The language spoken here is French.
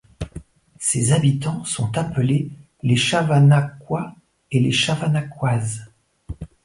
Ses habitants sont appelés les Chavanacois et les Chavanacoises.